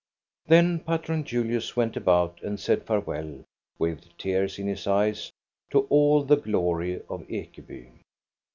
Then Patron Julius went about and said farewell, with tears in his eyes, to all the glory of Ekeby.